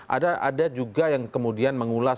ada juga yang kemudian mengulas